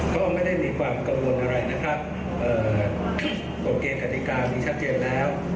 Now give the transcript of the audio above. ก็ไม่ได้มีความกังวลอะไรนะครับกฎเกณฑ์กติกามีชัดเจนแล้ว